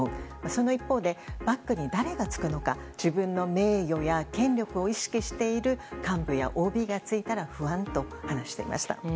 その一方でバックに誰がつくのか自分の名誉や権力を意識している幹部やＯＢがついたら不安と話していました。